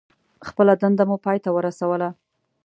خپله دنده مو پای ته ورسوله.